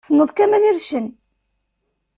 Tessneḍ Kamel Ircen?